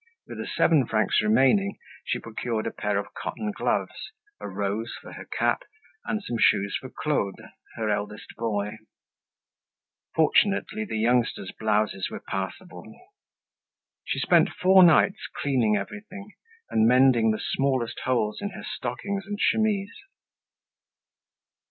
With the seven francs remaining she procured a pair of cotton gloves, a rose for her cap, and some shoes for Claude, her eldest boy. Fortunately the youngsters' blouses were passable. She spent four nights cleaning everything, and mending the smallest holes in her stockings and chemise.